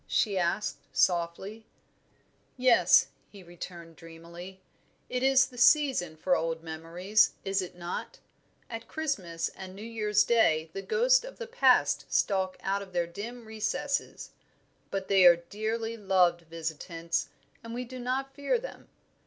she asked, softly. "Yes," he returned, dreamily. "It is the season for old memories, is it not? At Christmas and New Year's Day the ghosts of the past stalk out of their dim recesses; but they are dearly loved visitants, and we do not fear them.